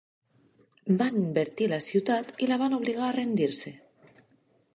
Van invertir la ciutat i la van obligar a rendir-se.